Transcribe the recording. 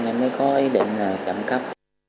em mới có ý định là cắm cắp